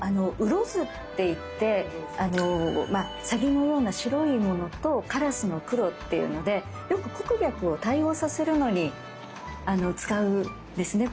烏鷺図っていってサギのような白いものとカラスの黒っていうのでよく黒白を対応させるのに使うんですね